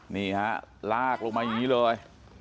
นี่ฮะลากลงมาอย่างนี้เลย